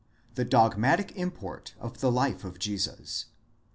the DOGMATIC IMPORT OF THE LIFE OF JESUS.